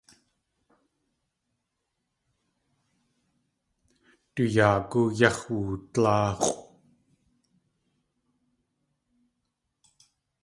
Du yaagú yax̲ woodláax̲ʼw.